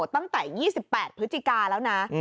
ตั้งแต่๒๘พฤศจิกาแล้วนะ